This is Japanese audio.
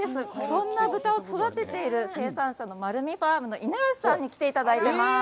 そんな豚を育てている生産者のマルミファームの稲吉さんに来ていただいています。